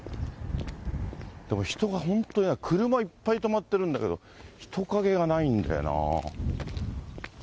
でも人が本当いない、車いっぱい止まってるんだけど、人影がないんだよな。